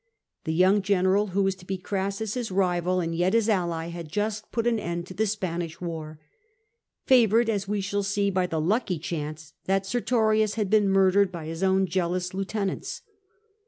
The young general, who was to be Grassus's rival and yet his ally, had just put an end to the Spanish war, favoured, as we shall see, by the lucky chance that Sertorius had been murdered by his own jealous lieutenants.